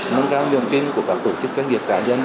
nâng cao niềm tin của các tổ chức doanh nghiệp cá nhân